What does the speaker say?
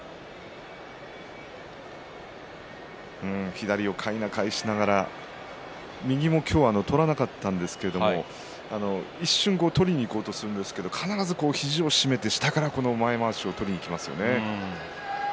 左をかいなを返しながら右を今日は取らなかったんですが一瞬、取りにいこうとするんですが必ず肘を締めて下から前まわしを取りにいきますよね。